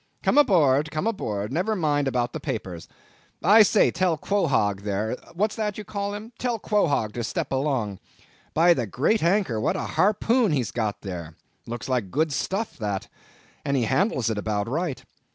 Come aboard, come aboard; never mind about the papers. I say, tell Quohog there—what's that you call him? tell Quohog to step along. By the great anchor, what a harpoon he's got there! looks like good stuff that; and he handles it about right.